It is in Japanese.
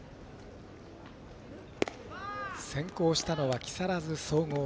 先行したのは木更津総合。